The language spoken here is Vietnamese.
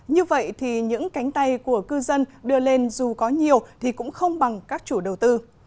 như vậy thì những cánh tay của cư dân đưa lên dù có nhiều thì cũng không bằng các chủ đầu tư